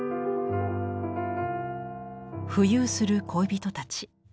浮遊する恋人たち。